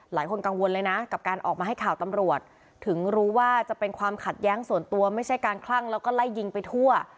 หลายคนกังวลเลยนะกับการออกมาให้ข่าวตำรวจถึงรู้ว่าจะเป็นความขัดแย้งส่วนตัวไม่ใช่การคลั่งแล้วก็ไล่ยิงไปทั่ว